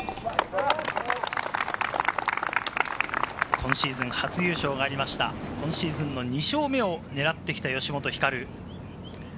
今シーズン初優勝がありました、今シーズンの２勝目を狙ってきた吉本ひかる。